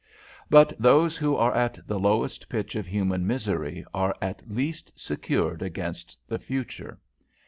But those who are at the lowest pitch of human misery are at least secured against the future.